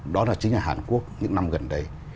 đó chính là hàn quốc những năm gần đây